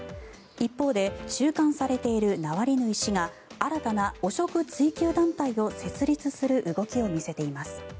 一方で収監されているナワリヌイ氏が新たな汚職追及団体を設立する動きを見せています。